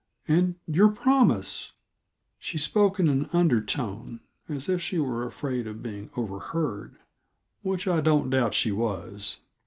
And your promise " She spoke in an undertone, as if she were afraid of being overheard which I don't doubt she was.